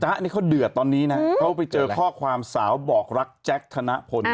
อันนี้เขาเดือดตอนนี้นะเขาไปเจอข้อความสาวบอกรักแจ็คธนพล